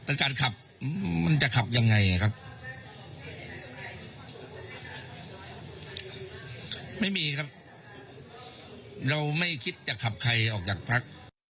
แต่การขับมันจะขับยังไงครับไม่มีครับเราไม่คิดจะขับใครออกจากพัก